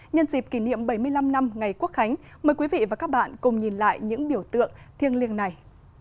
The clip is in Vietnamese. nhân dịp kỷ niệm bảy mươi năm năm ngày quốc khánh mời quý vị và các bạn cùng nhìn lại những biểu tượng thiêng liêng này